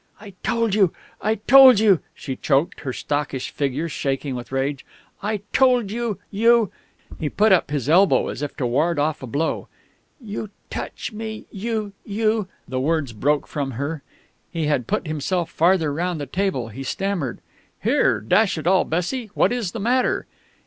"I told you I told you " she choked, her stockish figure shaking with rage, "I told you you " He put up his elbow as if to ward off a blow. "You touch me you! you!" the words broke from her. He had put himself farther round the table. He stammered. "Here dash it all, Bessie what is the matter?"